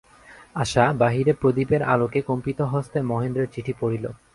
আশা বাহিরে প্রদীপের আলোকে কম্পিতহস্তে মহেন্দ্রের চিঠি পড়িল।